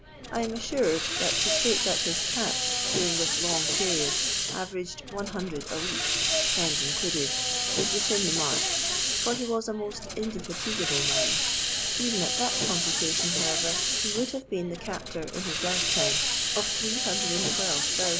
I am assured that to state that his " catch" during this long period averaged 100 a week, hens included, is within the mark, for he was a most indefatigable man ; even at that computation, however, he would have been the captor, in his lifetime, of three hundred and twelve STREET SELLER OF BIRDS'NESTS.